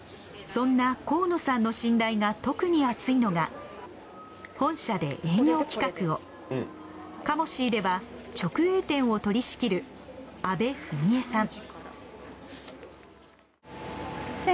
そんな河野さんの信頼が特に厚いのが本社で営業企画をカモシーでは直営店を取り仕切る阿部史恵さん。